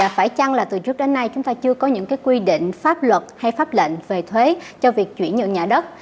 phải chăng là từ trước đến nay chúng ta chưa có những quy định pháp luật hay pháp lệnh về thuế cho việc chuyển nhận nhà đất